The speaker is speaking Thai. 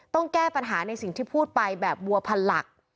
แก้ปัญหาในสิ่งที่พูดไปแบบวัวพันหลัก